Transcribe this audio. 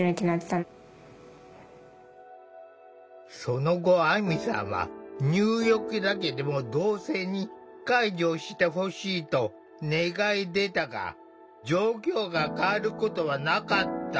その後あみさんは「入浴だけでも同性に介助してほしい」と願い出たが状況が変わることはなかった。